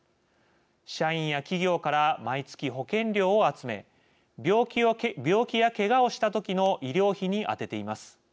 社員や企業から毎月保険料を集め病気やけがをした時の医療費に充てています。